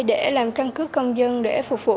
để làm căn cứ công dân để phục vụ